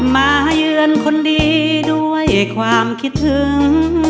มาเยือนคนดีด้วยความคิดถึง